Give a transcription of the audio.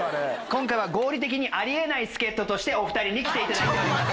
今回は合理的にありえない助っととしてお二人に来ていただきました。